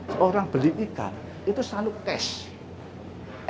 seorang beli ikan itu selalu cash